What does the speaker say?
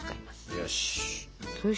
よし！